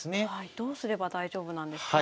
どうすれば大丈夫なんですか？